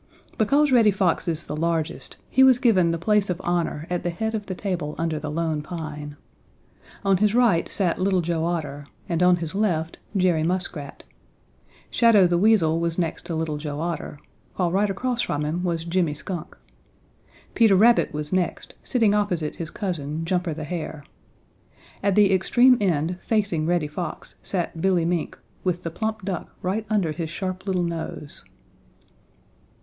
Because Reddy Fox is the largest he was given the place of honor at the head of the table under the Lone Pine. On his right sat Little Joe Otter and on his left Jerry Muskrat. Shadow the Weasel was next to Little Joe Otter, while right across from him was Jimmy Skunk. Peter Rabbit was next, sitting opposite his cousin, Jumper the Hare. At the extreme end, facing Reddy Fox, sat Billy Mink, with the plump duck right under his sharp little nose.